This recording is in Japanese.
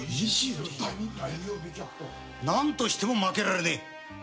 どうしても負けられねえ。